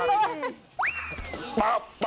ปับ